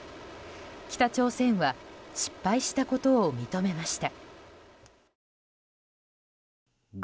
北朝鮮は失敗したことを認めました。